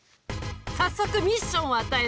早速ミッションを与える。